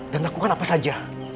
dan aku kan apa saja